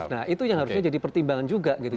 nah itu yang harusnya jadi pertimbangan juga gitu